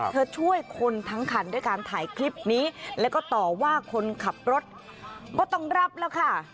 ช่วยคนทั้งคันด้วยการถ่ายคลิปนี้แล้วก็ต่อว่าคนขับรถก็ต้องรับแล้วค่ะ